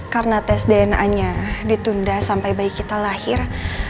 karena tes dna nya ditunda sampai bayi kita lahir